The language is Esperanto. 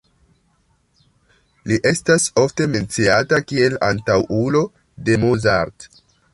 Li estas ofte menciata kiel antaŭulo de Mozart.